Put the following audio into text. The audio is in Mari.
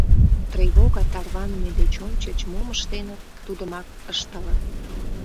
Тревога тарваныме деч ончыч мом ыштеныт, тудымак ыштылыт.